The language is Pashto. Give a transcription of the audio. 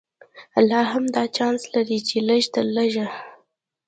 لا هم دا چانس لري چې لږ تر لږه.